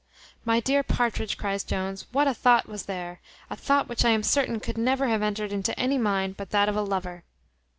"My dear Partridge," cries Jones, "what a thought was there! A thought which I am certain could never have entered into any mind but that of a lover.